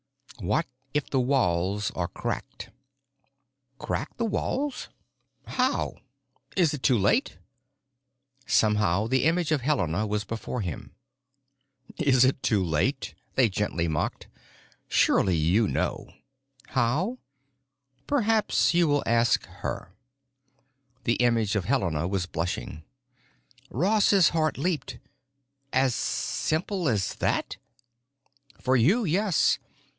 What if the walls are cracked?" "Crack the walls? How? Is it too late?" Somehow the image of Helena was before him. "Is it too late?" they gently mocked. "Surely you know. How? Perhaps you will ask her." The image of Helena was blushing. Ross's heart leaped. "As simple as that?" "For you, yes.